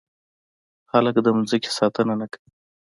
خلک د ځمکې ساتنه نه کوي.